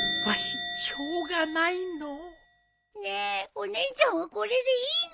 ねえお姉ちゃんはこれでいいの？